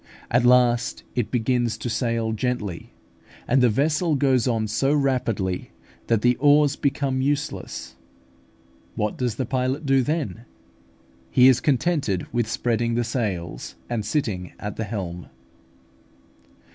At last it begins to sail gently, and the vessel goes on so rapidly that the oars become useless. What does the pilot do then? He is contented with spreading the sails and sitting at the helm.